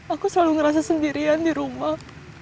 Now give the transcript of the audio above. aku selalu ngerasa sendirian di rumah